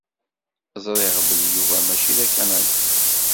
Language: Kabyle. Ẓriɣ belli Yuba mačči d Akanadi.